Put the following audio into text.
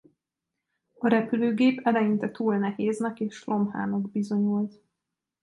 A repülőgép eleinte túl nehéznek és lomhának bizonyult.